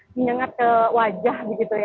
menyengat ke wajah